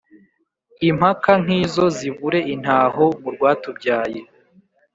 Impaka nk’izo zibure intaho mu rwatubyaye